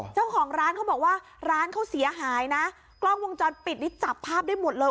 เจ้าของร้านเขาบอกว่าร้านเขาเสียหายนะกล้องวงจรปิดนี่จับภาพได้หมดเลย